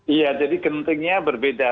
iya jadi gentingnya berbeda